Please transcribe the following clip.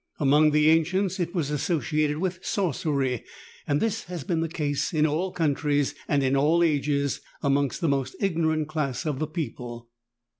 Among the ancients it was associated with sorcery, and this has been the case in all countries and in all ages among the most ignorant class of the people.